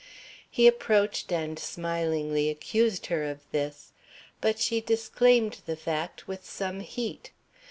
He approached and smilingly accused her of this. But she disclaimed the fact with some heat.